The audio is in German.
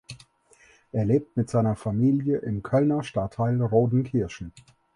Er lebt mit seiner Familie im Kölner Stadtteil Rodenkirchen.